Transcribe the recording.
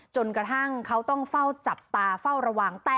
จนกระทั่งเขาต้องเฝ้าจับตาเฝ้าระวัง